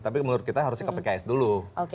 tapi menurut kita harusnya ke pks dulu